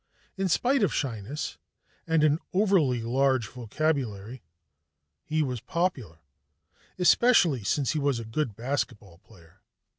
In spite of shyness and an overly large vocabulary, he was popular, especially since he was a good basketball player.